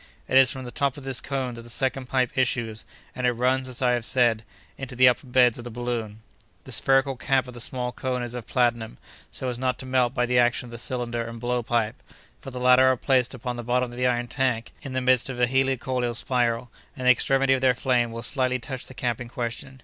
"It is from the top of this cone that the second pipe issues, and it runs, as I have said, into the upper beds of the balloon. "The spherical cap of the small cone is of platinum, so as not to melt by the action of the cylinder and blow pipe, for the latter are placed upon the bottom of the iron tank in the midst of the helicoidal spiral, and the extremity of their flame will slightly touch the cap in question.